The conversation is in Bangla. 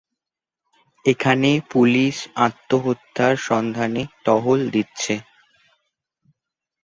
এখানে পুলিশ আত্মহত্যার সন্ধানে টহল দিচ্ছে।